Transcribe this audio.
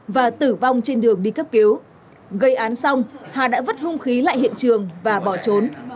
và tử vong trên đường đi cấp cứu gây án xong hà đã vứt hung khí lại hiện trường và bỏ trốn